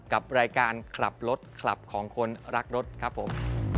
กับรายการขับรถคลับของคนรักรถครับผม